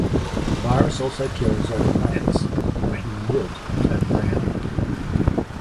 The virus also kills all the plants, making them wilt and turn brown.